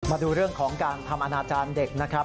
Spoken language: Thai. มาดูเรื่องของการทำอนาจารย์เด็กนะครับ